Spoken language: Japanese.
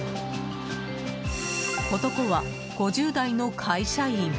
男は５０代の会社員。